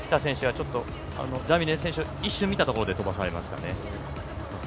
ジャリベール選手を一瞬見たところで飛ばされましたね。